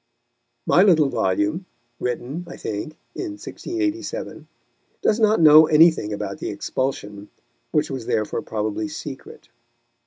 My little volume (written, I think, in 1687) does not know anything about the expulsion, which was therefore probably secret.